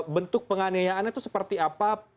bentuk penganiayaannya itu seperti apa